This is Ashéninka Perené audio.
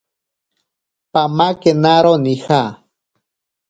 Pamakenaro nija.